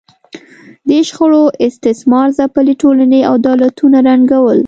دې شخړو استثمار ځپلې ټولنې او دولتونه ړنګول